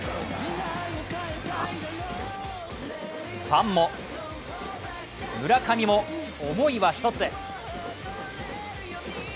ファンも村上も思いは一つ。